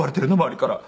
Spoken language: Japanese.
周りから」。